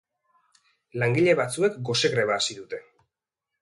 Langile batzuek gose greba hasidute.